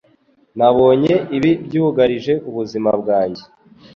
Nabonye ibi byugarije ubuzima bwanjye.